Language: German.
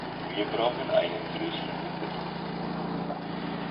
Wir brauchen einen größeren Löffel.